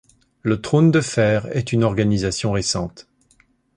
Le Trône de Fer est une organisation récente.